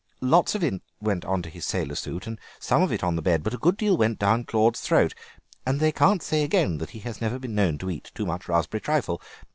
Lots of it went on to his sailor suit and some of it on to the bed, but a good deal went down Claude's throat, and they can't say again that he has never been known to eat too much raspberry trifle.